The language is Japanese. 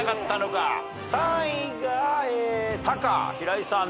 ３位がタカ・平井さん